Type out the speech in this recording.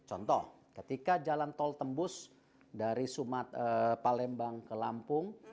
contoh ketika jalan tol tembus dari sumat palembang ke lampung